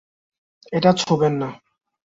এটা ছোঁবেন না!